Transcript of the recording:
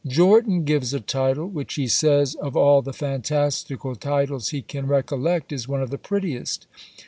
Jortin gives a title, which he says of all the fantastical titles he can recollect is one of the prettiest.